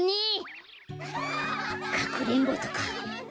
かくれんぼとか。